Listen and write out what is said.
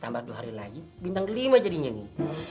tambah dua hari lagi bintang kelima jadinya nih